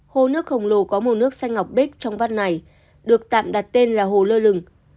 hồ nước khổng lồ có màu nước xanh ngọc bích trong văn này được tạm đặt tên là hồ lơ lửng